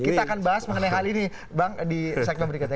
kita akan bahas mengenai hal ini bang di segmen berikutnya